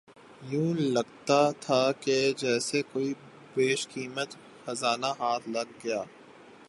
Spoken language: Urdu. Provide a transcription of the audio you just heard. یوں لگتا تھا کہ جیسے کوئی بیش قیمت خزانہ ہاتھ لگا گیا